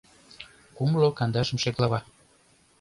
Кумло кандашымше глава